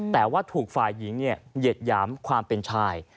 แต่ว่าถูกฝ่ายหญิงเนี่ยเย็ดย้ำความเป็นชาย